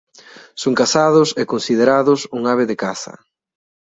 Son cazados e considerados un ave de caza.